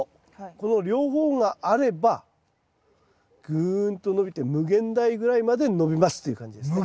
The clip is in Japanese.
この両方があればぐんと伸びて無限大ぐらいまで伸びますっていう感じですね。